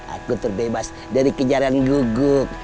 aku terbebas dari kejaran gugup